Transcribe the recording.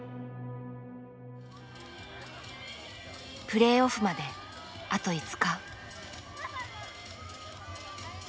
プレーオフまであと５日。